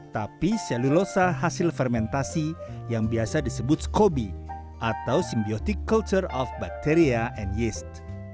tapi selulosa hasil fermentasi yang biasa disebut scoby atau simbiotic culture of bacteria and yeast